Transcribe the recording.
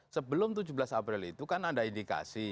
sebelum tujuh belas april itu kan ada indikasi